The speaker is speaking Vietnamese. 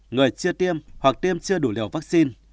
người chưa tiêm hoặc tiêm chưa đủ liều vaccine